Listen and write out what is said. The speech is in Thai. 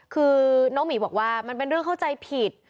คือน้องหมีบอกว่ามันเป็นเรื่องเข้าใจผิด